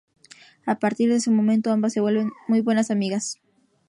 A partir de ese momento, ambas se vuelven muy buenas amigas.